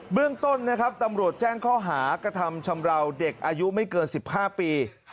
เรื่องต้นนะครับตำรวจแจ้งข้อหากระทำชำราวเด็กอายุไม่เกิน๑๕ปี